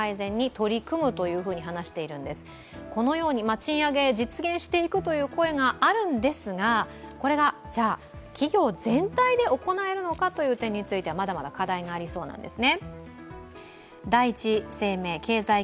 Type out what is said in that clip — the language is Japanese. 賃上げ、実現していくという声があるんですがこれが企業全体で行えるのかという点については、まだまだ課題がありそうなんですね。